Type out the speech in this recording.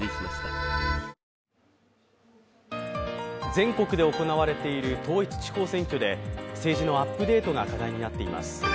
全国で行われている統一地方選挙で政治のアップデートが課題になっています。